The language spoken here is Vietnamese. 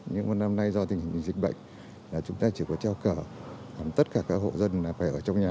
nhưng mà năm nay do tình hình dịch bệnh chúng ta chỉ có treo cờ tất cả các hộ dân phải ở trong nhà